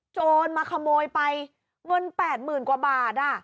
โจรมาขโมยไปเงิน๘๐๐๐กว่าบาท